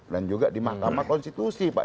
dan juga di mahkamah konstitusi pak